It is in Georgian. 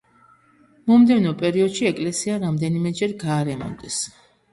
მომდევნო პერიოდში ეკლესია რამდენიმეჯერ გაარემონტეს.